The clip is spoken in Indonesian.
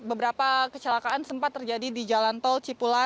beberapa kecelakaan sempat terjadi di jalan tol cipula